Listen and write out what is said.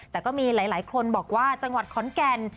แต่ก็มีหลายคนบอกว่าจังหวัดขอนแก่น